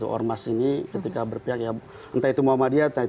ormas ini ketika berpihak ya entah itu memiliki kekuatan atau tidak